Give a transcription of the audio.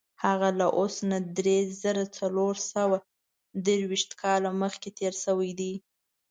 هغه له اوس نه دری زره څلور سوه درویشت کاله مخکې تېر شوی دی.